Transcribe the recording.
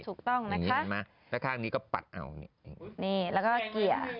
ถูกต้องนะคะแล้วข้างนี้ก็ปัดออกแล้วก็เกี่ยว